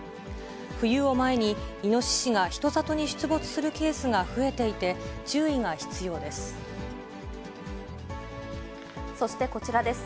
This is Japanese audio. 冬を前にイノシシが人里に出没するケースが増えていて、注意が必そして、こちらです。